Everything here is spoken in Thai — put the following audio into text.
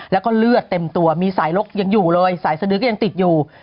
แล้วก็เลือดเต็มตัวมีสายลกยังอยู่เลยสายสดือก็ยังติดอยู่